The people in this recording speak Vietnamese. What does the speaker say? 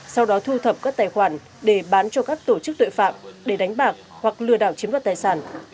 sau đó thu thập các tài khoản để bán cho các tổ chức tội phạm để đánh bạc hoặc lừa đảo chiếm đoạt tài sản